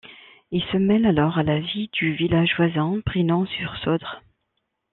Il se mêle alors à la vie du village voisin, Brinon-sur-Sauldre.